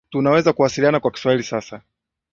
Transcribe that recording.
Tunaweza kuwasiliana kwa Kiswahili sasa